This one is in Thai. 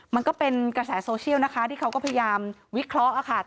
มันก็เป็นกระแสโซเชียลนะคะที่เขาก็พยายามวิเคราะห์ค่ะ